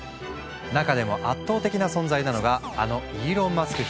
中でも圧倒的な存在なのがあのイーロン・マスク